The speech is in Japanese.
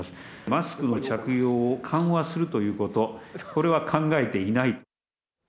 マスクの着用を緩和するということ、これは考えていない。